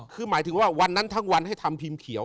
คือหมายถึงว่าวันนั้นทั้งวันให้ทำพิมพ์เขียว